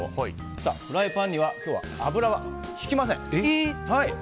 フライパンには今日は油はひきません。